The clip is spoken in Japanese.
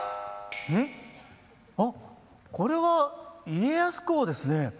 あこれは家康公ですね。